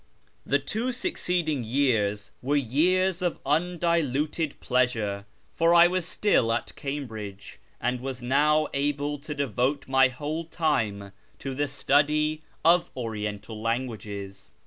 The two succeeding years were years of undiluted pleasure, for I was still at Cambridge, and was now able to devote my whole time to the study of Oriental languages.